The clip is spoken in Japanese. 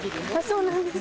そうなんです。